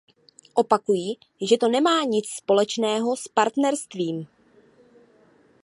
Opakuji, že to nemá nic společného s partnerstvím.